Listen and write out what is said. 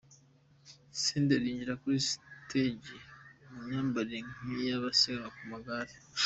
Senderi yinjira kuri Stage mu myambarire nk’iy’abasiganwa ku magare.